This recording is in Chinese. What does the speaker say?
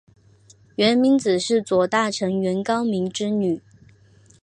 源明子是左大臣源高明之女。